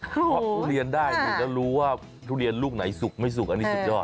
เพราะทุเรียนได้หรือจะรู้ว่าทุเรียนลูกไหนสุกไม่สุกอันนี้สุดยอด